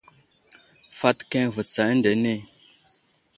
Fat keme ve tsa eŋdene ?